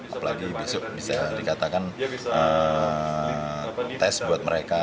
apalagi besok bisa dikatakan tes buat mereka